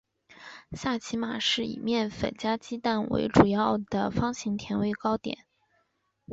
萨其马是一种以面粉加鸡蛋为主要原料的方形甜味糕点。